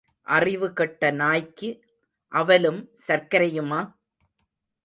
அறிவு கெட்ட நாய்க்கு அவலும் சர்க்கரையுமா?